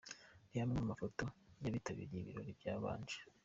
Reba amwe mu mafoto y’abitabiriye ibirori byabanje .